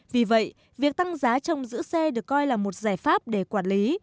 vì vậy việc tăng giá trong giữ xe được coi là một giải pháp để quản lý